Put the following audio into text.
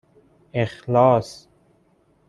اِخلاص